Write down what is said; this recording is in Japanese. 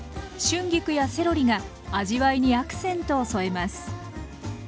春菊やセロリが味わいにアクセントを添えます。